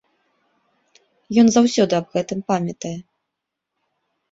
Ён заўсёды аб гэтым памятае.